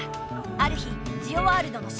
ある日ジオワールドのシンボル